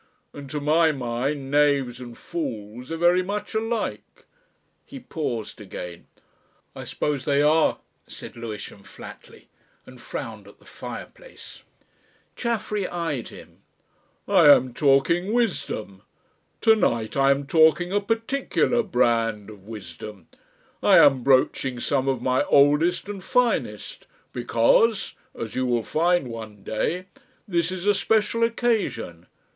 And to my mind knaves and fools are very much alike." He paused again. "I suppose they are," said Lewisham flatly, and frowned at the fireplace. Chaffery eyed him. "I am talking wisdom. To night I am talking a particular brand of wisdom. I am broaching some of my oldest and finest, because as you will find one day this is a special occasion.